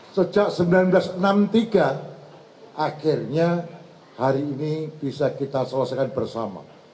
sejak seribu sembilan ratus enam puluh tiga akhirnya hari ini bisa kita selesaikan bersama